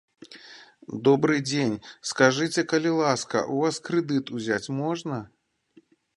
Добры дзень, скажыце, калі ласка, у вас крэдыт узяць можна?